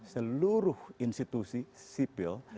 seluruh institusi sipil